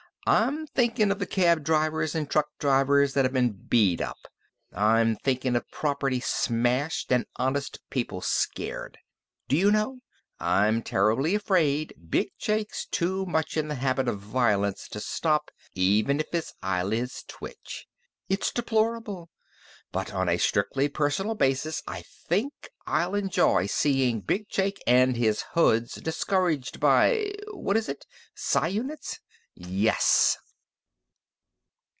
"I'm thinkin' of the cab drivers an' truck drivers that've been beat up. I'm thinkin' of property smashed and honest people scared.... Do you know, I'm terrible afraid Big Jake's too much in the habit of violence to stop, even if his eyelids twitch? It's deplorable! But on a strictly personal basis I think I'll enjoy seein' Big Jake an' his hoods discouraged by ... what is it Psi units? Yes!"